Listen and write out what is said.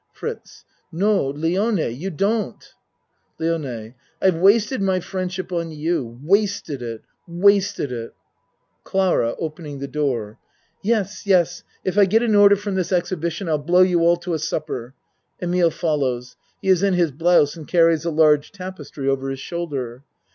FRITZ No Lione you don't LIONE I've wasted my friendship on you wasted it wasted it ! CLARA (Opening the door.) Yes yes if I get an order from this exhibition I'll blow you all to a supper. (Emile follows. He is in his blouse and carries a large tapestry over his shoulder.